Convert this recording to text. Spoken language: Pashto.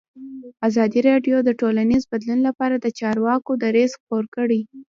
ازادي راډیو د ټولنیز بدلون لپاره د چارواکو دریځ خپور کړی.